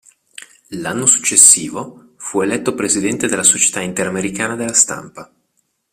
L'anno successivo, fu eletto presidente della Società interamericana della stampa.